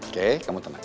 oke kamu tenang